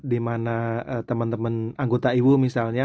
dimana teman teman anggota iwu misalnya